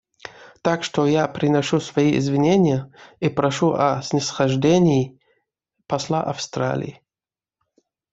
Так что я приношу свои извинения и прошу о снисхождении посла Австралии.